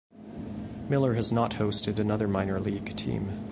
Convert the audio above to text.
Miller has not hosted another minor league team.